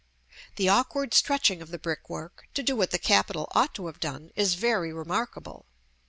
The awkward stretching of the brickwork, to do what the capital ought to have done, is very remarkable.